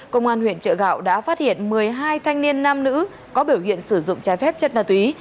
công an huyện trợ gạo đã phát hiện một mươi hai thanh niên nam nữ có biểu hiện sử dụng trái phép chất ma túy